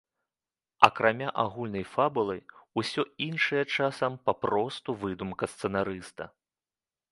Акрамя агульнай фабулы, усё іншае часам папросту выдумка сцэнарыста.